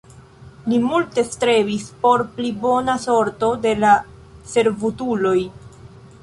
Li multe strebis por pli bona sorto de la servutuloj.